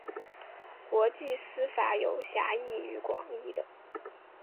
国际私法有狭义与广义的。